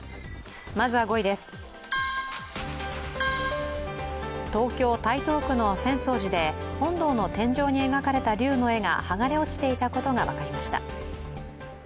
まずは５位です、東京・台東区の浅草寺で本堂の天井に描かれた龍の絵が剥がれ落ちていたことが分かりました。